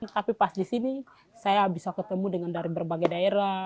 tapi pas di sini saya bisa ketemu dengan dari berbagai daerah